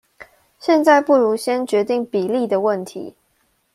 現在不如先決定比例的問題